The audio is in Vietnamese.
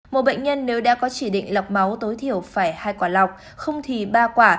một bệnh nhân nếu đã có chỉ định lọc máu tối thiểu phải hai quả lọc không thì ba quả